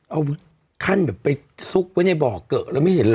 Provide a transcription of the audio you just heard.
เอาขั้นไปสุกไว้ในบ๋อเกิกแล้วไม่เห็นเหรอ